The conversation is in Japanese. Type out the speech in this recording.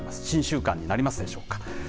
新習慣になりますでしょうか。